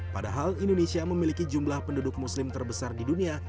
padahal indonesia memiliki jumlah penduduk muslim terbesar di dunia